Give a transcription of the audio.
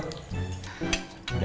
udah lo aja dulu